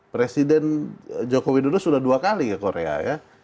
presiden jokowi dulu sudah dua kali ke korea ya